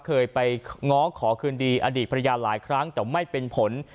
เคยไปง้อขอคืนดีอดีตภรรยาหลายครั้งแต่ไม่เป็นผล